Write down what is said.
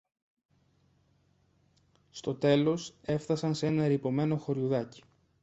Στο τέλος έφθασαν σ' ένα ερειπωμένο χωριουδάκι